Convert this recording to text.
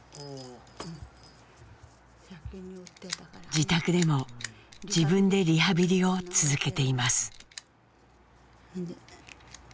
自宅でも自分でリハビリを続けています。